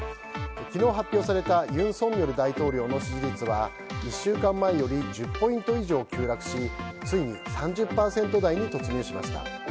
昨日発表された尹錫悦大統領の支持率は１週間前より１０ポイント以上急落しついに３０％台に突入しました。